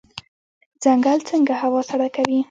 ځنګل څنګه هوا سړه کوي؟